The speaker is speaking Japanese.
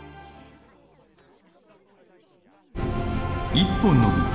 「一本の道」。